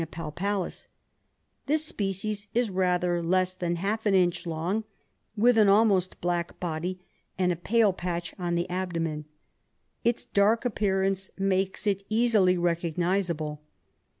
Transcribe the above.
palpalis ; this species is rather less than half an inch long, with an almost black body and a pale patch on the abdomen. Its dark appearance makes it easily recognisable.